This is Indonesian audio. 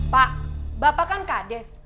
pak bapak kan kades